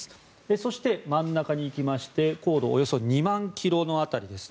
そして、真ん中に行きまして高度およそ２万ｋｍの辺り。